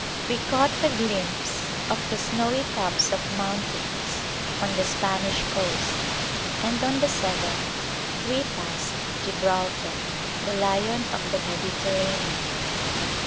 We caught a glimpse of the snowy tops of mountains on the Spanish coast, and on the seventh we passed Gibraltar, the "Lion of the Mediterranean."